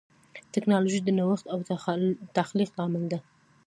ټکنالوجي د نوښت او تخلیق لامل ده.